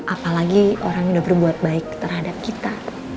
apalagi orang yang udah berbuat baik terhadap kita